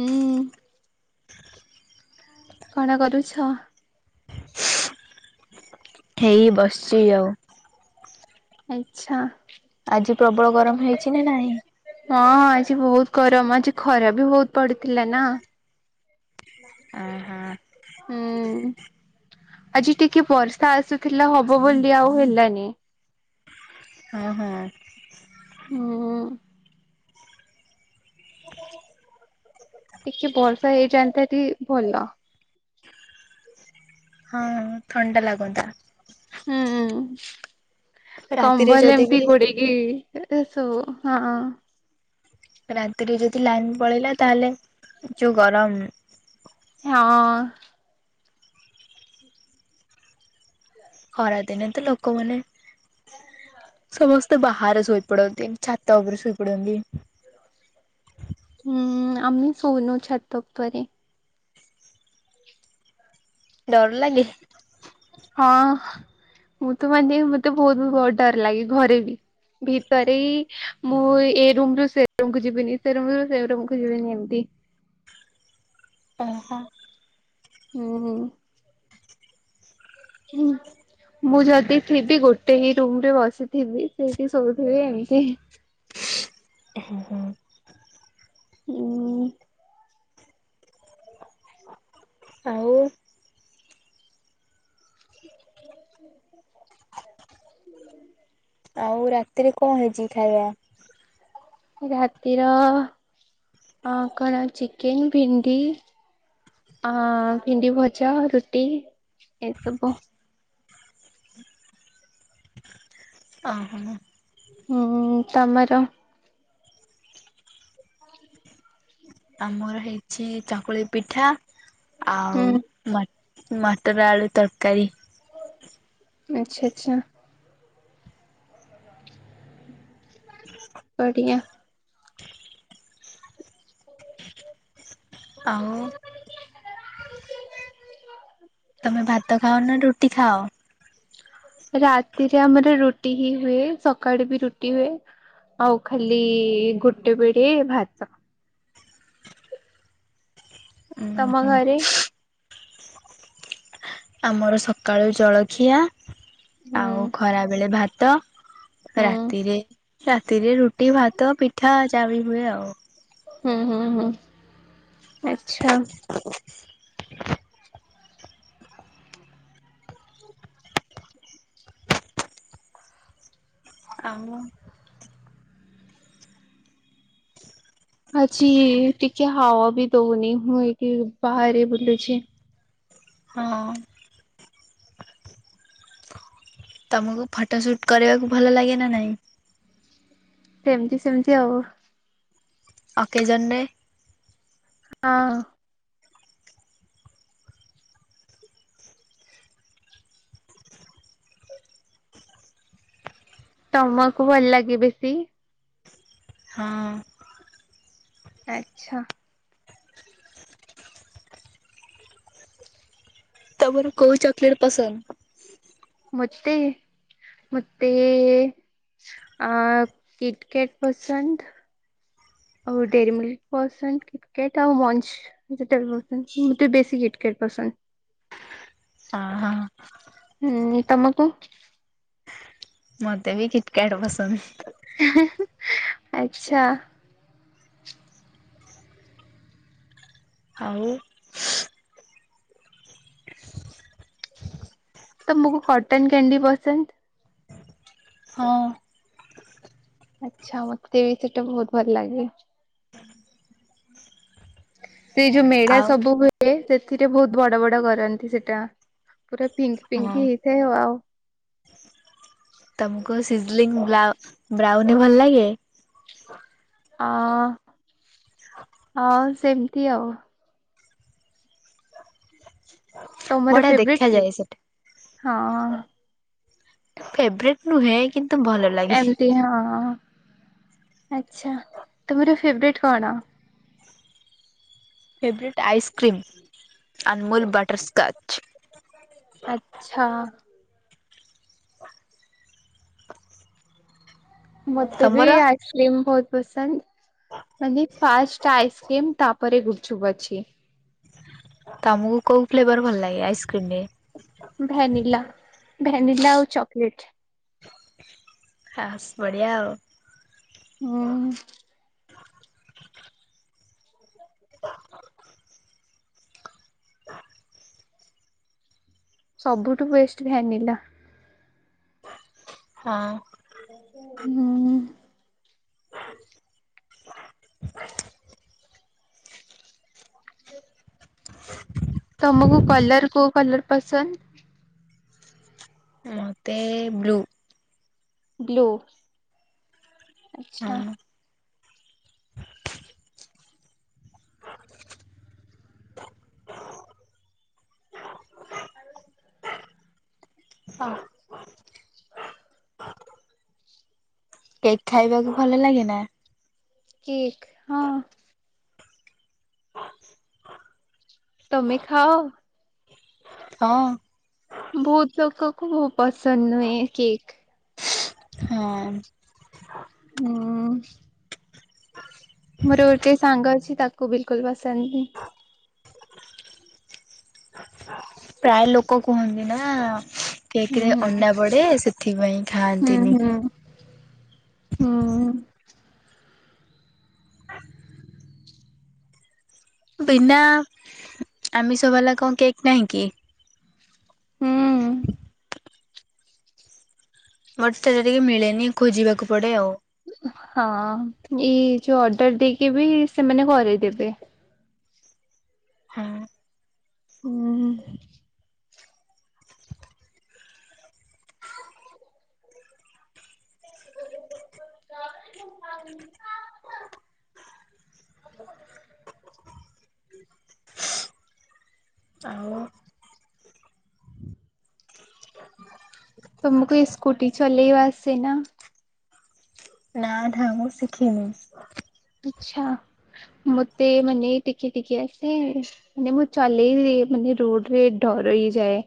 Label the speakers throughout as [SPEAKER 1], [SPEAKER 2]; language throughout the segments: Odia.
[SPEAKER 1] ହୁଁ। କଣ କରୁଛ?
[SPEAKER 2] ହେଇ ବସିଚି ଆଉ।
[SPEAKER 1] ଆଚ୍ଛା।
[SPEAKER 2] ଆଜି ପ୍ରବଳ ଗରମ ହେଇଚି ନା ନାହିଁ?
[SPEAKER 1] ହଁ ଆଜି ବହୁତ ଗରମ ଆଜି ଖରା ବି ବହୁତ ପଡିଥିଲା ନା!
[SPEAKER 2] ଅ ହଁ।
[SPEAKER 1] ହୁଁ ଆଜି ଟିକେ ବର୍ଷା ଆସୁଥିଲା ହବ ବୋଲି ଆଉ ହେଲାନି।
[SPEAKER 2] ହଁ ହଁ।
[SPEAKER 1] ଓ ହୋ। ଟିକେ ବର୍ଷା ହେଇଯାନ୍ତା ଟି ଭଲ।
[SPEAKER 2] ହଁ। ଥଣ୍ଡା ଲାଗନ୍ତା।
[SPEAKER 1] ହୁଁ
[SPEAKER 2] ରାତିରେ
[SPEAKER 1] କମ୍ବଲ
[SPEAKER 2] ଯଦି
[SPEAKER 1] ଏମିତି
[SPEAKER 2] ବି
[SPEAKER 1] ଘୋଡେଇ କି ଇ ଶୋଉ ହଁ।
[SPEAKER 2] ରାତିରେ ଯଦି ଲାଇନ ପଳେଇଲା ତାହେଲେ ଯୋଉ ଗରମ।
[SPEAKER 1] ହଁ।
[SPEAKER 2] ଖରାଦିନେ ତ ଲୋକମାନେ ସମସ୍ ସ୍ତେ ବାହାରେ ଶୋଇପଡନ୍ତି ଏମତି ଛାତ ଉପରେ ଶୋଇପଡନ୍ତି।
[SPEAKER 1] ହୁଁ ଆମେ ଶୋଉନୁ ଛାତ ଉପରେ।
[SPEAKER 2] ଡର ଲାଗେ?
[SPEAKER 1] ହଁ ମୁଁ ତ ମାନେ ମତେ ବହୁତ ବହୁତ ଡର ଲାଗେ ଘରେ ବି। ଭିତରେ ମୁଁ ଏ ରୁମ ରୁ ସେ ରୁମକୁୁ ଯିବିନି ସେ ରମୁ ସେ ରୁମକୁୁ ଯିବିନି ଏମିତି।
[SPEAKER 2] ଓହୋ।
[SPEAKER 1] ହୁଁ ହୁଁ। ହୁଁ ମୁଁ ଯଦି ଥିବି ଗୋଟେ ହି ରୁମ ରେ ବସିଥିବି ସେଇଠି ଶୋଇଥିବି ଏମିତି।
[SPEAKER 2] ଉ ହୁଁ ହୁଁ।
[SPEAKER 1] ହୁଁ।
[SPEAKER 2] ଆଉ। ଆଉ ରାତିରେ କଣ ହେଇଚି ଖାଇବା?
[SPEAKER 1] ରାତିର କଣ ଚିକେନ ଭେଣ୍ଡି ଅ ଭେଣ୍ଡି ଭଜା ରୁଟି ଏସବୁ।
[SPEAKER 2] ଅହୋ।
[SPEAKER 1] ହୁଁ ତମର?
[SPEAKER 2] ଆମର ହେଇଚି ଚକୁଳି ପିଠା ଆଉ
[SPEAKER 1] ହୁଁ
[SPEAKER 2] ମ ମଟର ଆଳୁ ତରକାରୀ।
[SPEAKER 1] ଆଛା ଆଚ୍ଛା।
[SPEAKER 2] [inaudible]
[SPEAKER 1] ବଢିଆ।
[SPEAKER 2] ଆଉ। ତମେ ଭାତ ଖାଅ ନା ରୁଟି ଖାଅ?
[SPEAKER 1] ରାତିରେ ଆମର ରୁଟି ହି ହୁଏ ସକାଳୁ ବି ରୁଟି ହୁଏ। ଆଉ ଖାଲି ଗୋଟେ ବେଳେ ଭାତ।
[SPEAKER 2] ଉଁ
[SPEAKER 1] ତମ
[SPEAKER 2] ହୁଁ
[SPEAKER 1] ଘରେ?
[SPEAKER 2] ଆମର ସକାଳୁ ଜଳଖିଆ
[SPEAKER 1] ହୁଁ
[SPEAKER 2] ଆଉ ଖରା ବେଳେ ଭାତ।
[SPEAKER 1] ହୁଁ
[SPEAKER 2] ରାତିରେ ରାତିରେ ରୁଟି ଭାତ ପିଠା ଯାହା ବି ହୁଏ ଆଉ।
[SPEAKER 1] ହୁଁ ହୁଁ ହୁଁ ଆଚ୍ଛା।
[SPEAKER 2] [inaudible] ଆଉ।
[SPEAKER 1] ଆଛି ଟିକେ ହୱା ବି ଦଉନି ମୁଁ ଏଠି ବାହାରେ ବୁଲୁଛି।
[SPEAKER 2] ହଁ। ତମକୁ ଫଟୋ ସୁଟ କରିବାକୁ ଭଲ ଲାଗେ ନା ନାହିଁ।
[SPEAKER 1] ସେମିତି ସେମିତି ଆଉ।
[SPEAKER 2] ଅକେଜନ ରେ?
[SPEAKER 1] ହଁ। ତମକୁ ଭଲ ଲାଗେ ବେଶୀ।
[SPEAKER 2] ହଁ।
[SPEAKER 1] ଆଚ୍ଛା। [inaudible]
[SPEAKER 2] ତମର କୋଉ ଚକଲେଟ ପସନ୍ଦ
[SPEAKER 1] ମତେ ମତେ ଆଁ କିଟକେଟ ପସନ୍ଦ। ଆଉ ଡେରିମିଲ୍କି ପସନ୍ଦ କିଟକାଟ ଆଉ ମଞ୍ଚ [unintelligible] ବେସିି କୀଟକାଟ ପସନ୍ଦ।
[SPEAKER 2] ହଁ ହଁ।
[SPEAKER 1] ହୁଁ ତମକୁ।
[SPEAKER 2] ମତେ ବି କିଟକାଟ ପସନ୍ଦ।
[SPEAKER 1] ଆଛା।
[SPEAKER 2] ଆଉ
[SPEAKER 1] ତମୁକୁ କଟନ କ୍ୟାଣ୍ଡି ପସନ୍ଦ?
[SPEAKER 2] ହଁ।
[SPEAKER 1] ଆଚ୍ଛା ମତେ ବି ସେଟା ବହୁତ ଭଲ ଲାଗେ। ସେଇ ଯୋଉ ମେଳା
[SPEAKER 2] ଆଉ
[SPEAKER 1] ସବୁ ହୁଏ। ଏ ସେଥିରେ ବହୁତ ବଡ ବଡ କରନ୍ତି ସେଟା ପୁରା ପିଙ୍କ
[SPEAKER 2] ହଁ
[SPEAKER 1] ପିଙ୍କ ହେଇଥାଏ ଆ ଆଉ
[SPEAKER 2] ତମକୁ ସିଜିଲଙ୍ଗ ବ୍ଲାଉନ ବ୍ରାଉନୀ ଭଲ ଲାଗେ?
[SPEAKER 1] ଆଁ ହଁ ସେମିତି ଆଉ ତମର
[SPEAKER 2] ବଢିଆ
[SPEAKER 1] ଫେବ୍ରଏଟ କି
[SPEAKER 2] ଦେଖାଯାଏ ସେଟା।
[SPEAKER 1] ହଁ।
[SPEAKER 2] ଫେବ୍ରେଟ ନୁହେଁ କିନ୍ତୁ ଭଲ ଲାଗେ
[SPEAKER 1] ଏମତି ହଁ ଆଛା ତମର ଫେବ୍ରେଟ୍ କଣ?
[SPEAKER 2] Favourite ice cream Amul butterscotch.
[SPEAKER 1] ଆଛା। ମତେ ବି
[SPEAKER 2] ତମର
[SPEAKER 1] ଆ ବହୁତ ପସନ୍ଦ ମାନେ ଫାଷ୍ଟ ଆଇସ୍କ୍ରିମ ତାପରେ ଗୁପଚୁପ ଅଛି।
[SPEAKER 2] ତମକୁ କୋଉ ଫ୍ଲେଭର ଭଲ ଲାଗେ ଆଇସ୍କ୍ରିମରେ?
[SPEAKER 1] ଭାନିଲା ଭାନିଲା ଆଉ ଚକୋଲେଟ୍।
[SPEAKER 2] ଆ ବଢିଆ ଆଉ
[SPEAKER 1] ହୁଁ। ସବୁଠୁ ବେଷ୍ଟ ଭାନିଲା।
[SPEAKER 2] ହଁ।
[SPEAKER 1] ହୁଁ। ହ ତମକୁ କଲର କୋଉ କଲର ପସନ୍ଦ?
[SPEAKER 2] ମତେ ବ୍ଲୁ।
[SPEAKER 1] ବ୍ଲୁ। ଆଛା।
[SPEAKER 2] ହଁ।
[SPEAKER 1] ଆ
[SPEAKER 2] ହଁ କେକ୍ ଖାଇବାକୁ ଭଲ ଲାଗେ ନା?
[SPEAKER 1] କେକ୍ ହଁ।
[SPEAKER 2] ହ
[SPEAKER 1] ତମେ ଖାଅ?
[SPEAKER 2] ହଁ।
[SPEAKER 1] ବହୁତ ଲୋକକୁ ବହୁତ ପସନ୍ଦ ନୁହେଁ କେକ୍।
[SPEAKER 2] ହଁ।
[SPEAKER 1] ହଁ। ମୋର ଗୋଟେ ସାଙ୍ଗ ଅଛି ତାକୁ ବିଲକୁଲ ପସନ୍ଦ ନୁହେଁ।
[SPEAKER 2] ପ୍ରାୟ ଲୋକ କୁହନ୍ତି ନା
[SPEAKER 1] ହୁଁ
[SPEAKER 2] କେକରେ ଅଣ୍ଡା ପଡେ ସେଥିପାଇଁ।
[SPEAKER 1] ହୁଁ
[SPEAKER 2] ଖାଆନ୍ତିନି।
[SPEAKER 1] ହୁଁ ହୁଁ।
[SPEAKER 2] ବିନା ଆମିଷ ହେଲା କଣ କେକ୍ ନାହିଁ କି?
[SPEAKER 1] ହୁଁ
[SPEAKER 2] ମୋଟେ ଥର ଟିକେ ମିଳେନି ଖୋଜିବାକୁ ପଡେ ଆଉ
[SPEAKER 1] ହଁ ଏଇ ଯୋଉ ଅର୍ଡର ଦେଇକି ବି ସେମାନେ କରେଇଦେବେ।
[SPEAKER 2] ହାଁ।
[SPEAKER 1] ହୁଁ ହୁଁ।
[SPEAKER 2] ଆଉ
[SPEAKER 1] ତମକୁ ଏ ସ୍କୁଟି ଚଲେଇବା ଆସେ ନା
[SPEAKER 2] ନା ଥା। ମୁଁ ଶିଖିନି
[SPEAKER 1] ଆଛା ମତେ ମାନେ ଟିକେ ଟିକେ ଆସେ ମାନେ ମୁଁ ଚଲେଇ ମାନେ ରୋଡ ରେ ଡର ହେଇଯାଏ।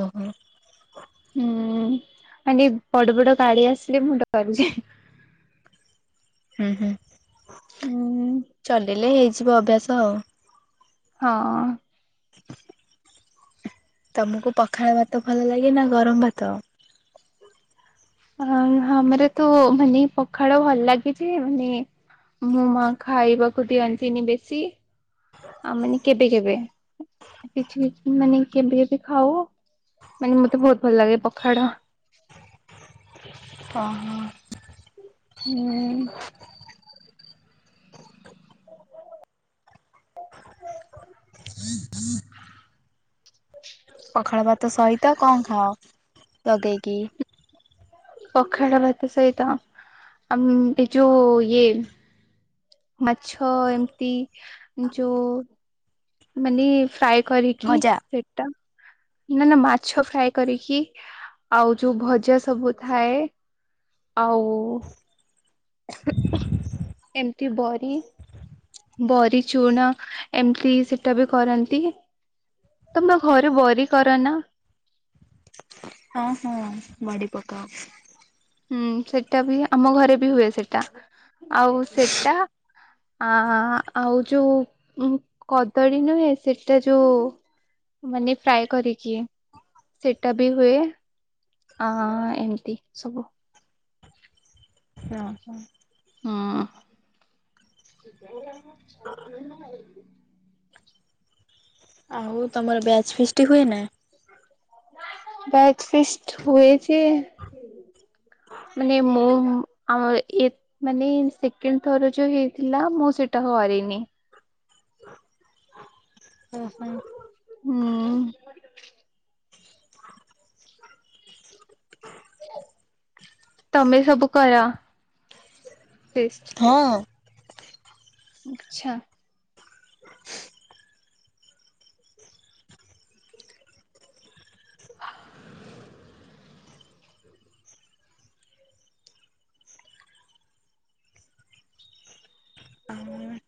[SPEAKER 2] ଓହୋ।
[SPEAKER 1] ହୁଁ ଆଣ୍ଟି ବଡ ବଡ ଗାଡି ଆସିଲେ ମୁଁ ଡରିଯାଏ।
[SPEAKER 2] ହୁଁ ହୁଁ।
[SPEAKER 1] ଉଁ ହୁଁ।
[SPEAKER 2] ଚଲେଇଲେ ହେଇଯିବ ଅଭ୍ୟାସ ଆଉ
[SPEAKER 1] ହଁ।
[SPEAKER 2] ତମକୁ ପଖାଳ ଭାତ ଭଲ ଲାଗେ ନା ଗରମ ଭାତ?
[SPEAKER 1] ଅ ଆମର ତ ମାନେ ପଖାଳ ଭଲ ଲାଗେଛି ମାନେ ମୁଁ ମା ଖାଇବାକୁ ଦିଅନ୍ତିନି ବେଶୀ ଆ ମାନେ କେବେ କେବେ କିଛି କିଛି ମାନେ କେମତି କେ ବି ଖାଉ ମାନେ ମତେ ବହୁତ ଭଲ ଲାଗେ ପଖାଳ
[SPEAKER 2] ହ ହ।
[SPEAKER 1] ହୁଁ। ଏ [unintelligible]
[SPEAKER 2] ପଖାଳ ଭାତ ସହିତ କଣ ଖାଅ। ଲଗେଇକି
[SPEAKER 1] ପଖାଡ ଭାତ ସହିତ ଆ ଏ ଯ ମାଛ ଏମିତି ଯଉ ମାନେ ଫ୍ରଏ କରିକି
[SPEAKER 2] ଭଜା?
[SPEAKER 1] ସେଟା ନା ନା ମାଛ ଫ୍ରାଏ କରିକି ଆଉ ଯୋଉ ଭଜା ସବୁ ଥାଏ। ଆଉ ଏମତି ବରି ବରି ଚୁଣ ଏମିତି ସେଟା ବି କରନ୍ତି। ତମ ଘରେ ବରି କର ନା?
[SPEAKER 2] ହଁ ହଁ ବଡି ପକାଅ।
[SPEAKER 1] ହୁଁ ସେଟା ବି ଆମ ଘରେ ବି ହୁଏ ସେଟା ଆଉ ସେଟା ଆ ଆଉ ଯୋଉ କଦଳୀ ନୁହେଁ ସେଟା ଯୋଉ ମାନେ ଫ୍ରାଏ କରିକି ସେଟା ବି ହୁଏ। ହଁ ଏମିତି ସବୁ।
[SPEAKER 2] ହଁ ହଁ।
[SPEAKER 1] ହଁ।
[SPEAKER 2] ଆଉ ତମର ବ୍ୟାଚ୍ ଫିଷ୍ଟି ହୁଏ ନା?
[SPEAKER 1] ବ୍ୟାଚ୍ ଫିଷ୍ଟ୍ ହୁଏ ଯେ ମାନେ ମୁଁ ଆମ ଏତ୍‌ ମାନେ ସେକେଣ୍ଡ ଥର ଯୋଉ ହେଇଥିଲା ମୁଁ ସେଇଟା ହରେନି
[SPEAKER 2] ଓହୋ।
[SPEAKER 1] ହୁଁ। ତମେ ସବୁ କର ଫିଷ୍ଟ୍।
[SPEAKER 2] ହଁ।
[SPEAKER 1] ଆଚ୍ଛା।
[SPEAKER 2] ହୁଁ।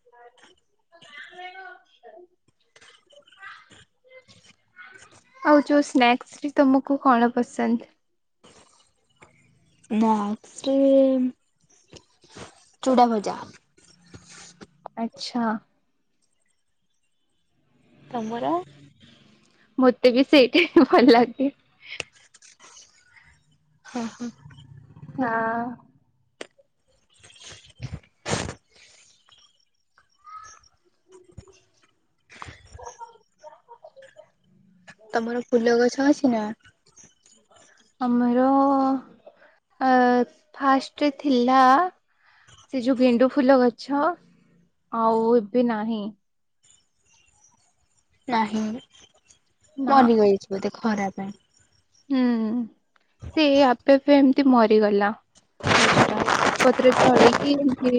[SPEAKER 1] ଆଉ ଯୋଉ ସ୍ନାକ୍ସ ରେ ତମକୁ କଣ ପସନ୍ଦ?
[SPEAKER 2] ସ୍ନାକ୍ସ ରେ ଚୁଡ଼ା ଭଜା।
[SPEAKER 1] ଆଛା।
[SPEAKER 2] ତମର?
[SPEAKER 1] ମତେ ବି ସେଇ ଭଲ ଲାଗେ।
[SPEAKER 2] ହଁ ହଁ।
[SPEAKER 1] ହଁ।
[SPEAKER 2] ତମର ଫୁଲ ଗଛ ଅଛି ନା?
[SPEAKER 1] ଆମର ଅ ଫାଷ୍ଟ ରେ ଥିଲା। ସେ ଯୋଉ ଗେଣ୍ଡୁ ଫୁଲ ଗଛ ଆଉ ଏବେ ନାହିଁ।
[SPEAKER 2] ନାହିଁ
[SPEAKER 1] ନା
[SPEAKER 2] ମରିଯାଇଚି ବୋଧେ ଖରା ପାଇଁ।
[SPEAKER 1] ହୁଁ ସେ ଆପେ ଆପେ ଏମିତି ମରିଗଲା। ଗଛ ଟା ପତ୍ର ଝଡିକି ଏମତି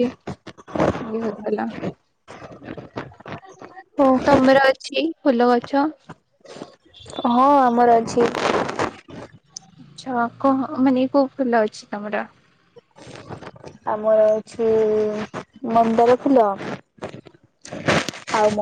[SPEAKER 1] [unintelligible]
[SPEAKER 2] ଓହୋ
[SPEAKER 1] ତମର ଅଛି କି ଫୁଲ ଗଛ?
[SPEAKER 2] ହଁ ଆମର ଅଛି।
[SPEAKER 1] ଆଛ କ ମାନେ କୋ ଫୁଲ ଅଛି ତମର?
[SPEAKER 2] ଆମର ଅଛି ମନ୍ଦାର ଫୁଲ [unintelligible]